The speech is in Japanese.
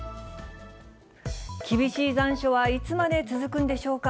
厳しい残暑はいつまで続くんでしょうか。